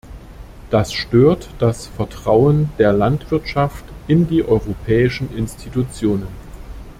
Das stört das Vertrauen der Landwirtschaft in die europäischen Institutionen.